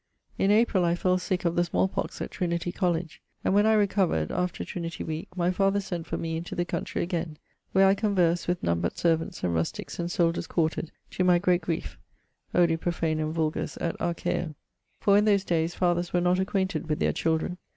In Aprill I fell sick of the small pox at Trinity College; and when I recovered, after Trinity weeke, my father sent for me into the country again: where I conversed with none but servants and rustiques and soldiers quartred, to my great griefe (Odi prophanum vulgus et arceo), for in those dayes fathers were not acquainted with their children.